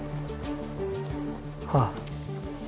ああ。